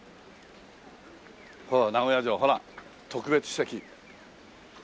「名古屋城」ほら「特別史跡」。